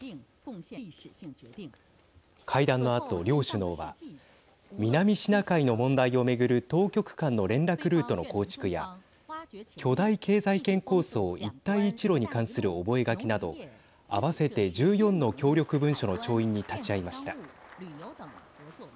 会談のあと、両首脳は南シナ海の問題を巡る当局間の連絡ルートの構築や巨大経済圏構想一帯一路に関する覚書など合わせて１４の協力文書の調印に立ち会いました。